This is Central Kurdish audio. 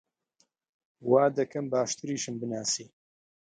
وا دەکەم باشتریشم بناسی!